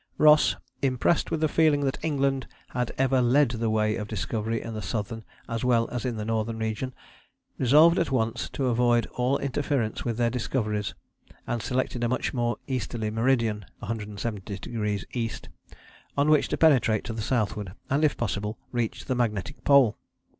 Ross, "impressed with the feeling that England had ever led the way of discovery in the southern as well as in the northern region, ... resolved at once to avoid all interference with their discoveries, and selected a much more easterly meridian (170° E.), on which to penetrate to the southward, and if possible reach the magnetic Pole."